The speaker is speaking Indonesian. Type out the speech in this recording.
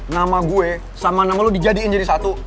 nama gue sama nama lo dijadiin jadi satu